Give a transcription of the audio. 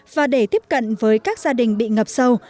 và để tiếp cận với các gia đình bị ngập sâu